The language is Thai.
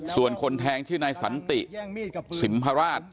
ส่วนคนแทงชื่อนายสันติสิมพราช